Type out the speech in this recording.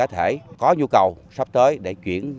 thu nhập của em